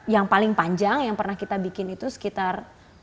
yang paling panjang yang pernah kita bikin itu sekitar